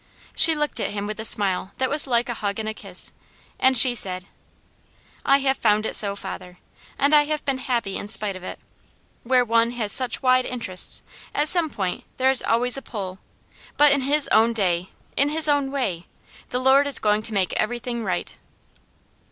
She looked at him with a smile that was like a hug and kiss, and she said: "I have found it so, father, and I have been happy in spite of it. Where one has such wide interests, at some point there is always a pull, but in His own day, in His own way, the Lord is going to make everything right."